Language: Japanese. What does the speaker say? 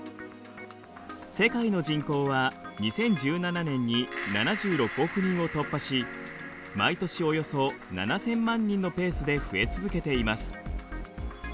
世界の人口は２０１７年に７６億人を突破し毎年およそ７，０００万人のペースで増え続けています。